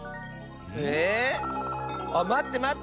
えっ？あっまってまって！